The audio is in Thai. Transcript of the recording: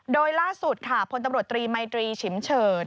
โดยล่าสุดค่ะพลตำรวจตรีมัยตรีฉิมเฉิด